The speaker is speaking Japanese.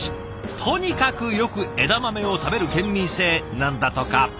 とにかくよく枝豆を食べる県民性なんだとか。